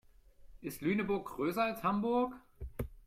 Ist Lüneburg größer als Hamburg?